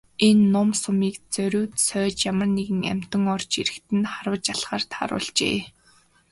Энэ нум сумыг зориуд сойж ямар нэгэн амьтан орж ирэхэд нь харваж алахаар тааруулжээ.